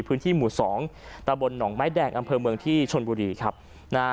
พื้นที่หมู่สองตะบลหนองไม้แดงอำเภอเมืองที่ชนบุรีครับนะฮะ